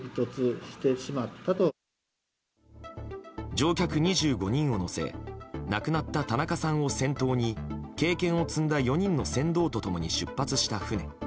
乗客２５人を乗せ亡くなった田中さんを先頭に経験を積んだ４人の船頭と共に出発した船。